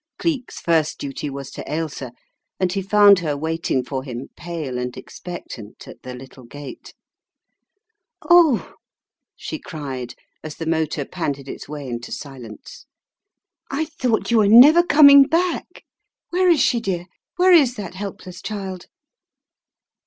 Cleek's first duty was to Ailsa, and he found her waiting for him pale and expectant at the little gate. "Oh," she cried, as the motor panted its way into silence. "I thought you were never coming back. Where is she, dear? Where is that helpless child?"